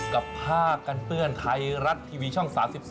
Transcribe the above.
กับผ้ากันเปื้อนไทยรัฐทีวีช่อง๓๒